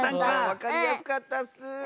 わかりやすかったッス！